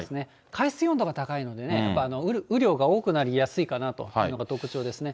海水温度が高いのでね、雨量が多くなりやすいかなというのが特徴ですね。